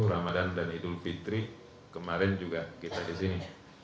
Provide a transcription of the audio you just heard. ramadan dan idul fitri kemarin juga kita di sini